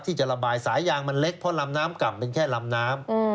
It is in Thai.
ที่จะระบายสายยางมันเล็กเพราะลำน้ำก่ำเป็นแค่ลำน้ำ